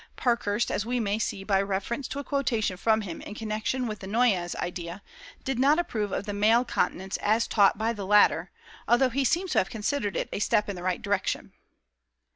Parkhurst, as we may see by reference to a quotation from him in connection with the Noyes' idea, did not approve of the "male continence" as taught by the latter, although he seems to have considered it a step in the right direction.